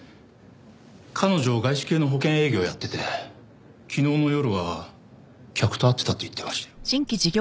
彼女外資系の保険営業やってて昨日の夜は客と会ってたって言ってましたよ。